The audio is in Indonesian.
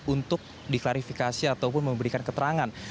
untuk diklarifikasi ataupun memberikan keterangan